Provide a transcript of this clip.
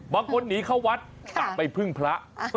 บางคนหนีเข้าวัดกะไปพึ่งพระ